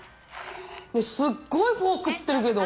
すっごいフォー食ってるけど。